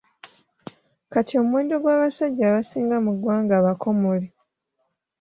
Kati, omuwendo gw'abasajja abasinga mu ggwanga bakomole.